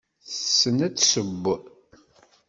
Tessen ad tesseww.